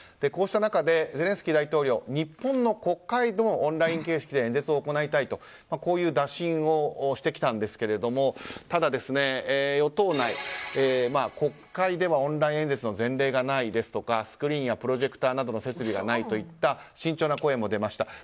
こうした中でゼレンスキー大統領日本の国会でもオンライン形式で演説を行いたいと打診をしてきたわけですがただ与党内、国会ではオンライン演説の前例がないとかスクリーンやプロジェクターなどの設備がないといった慎重な声も出ました。